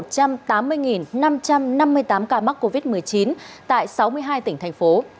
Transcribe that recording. ca mắc covid một mươi chín tại sáu mươi hai tỉnh thành phố